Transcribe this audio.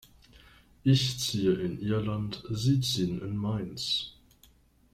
Ich ziehe in Ihr Land, Sie ziehen in meins.